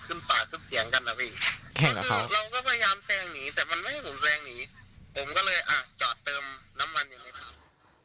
คุณผู้ชมส่งข้อความมาในเพจเฟซบุ๊กไทรรัชน์ช่วยเยอะมากเลย